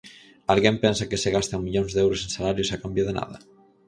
Alguén pensa que se gastan millóns de euros en salarios a cambio de nada?